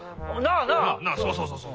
そうそうそうそう。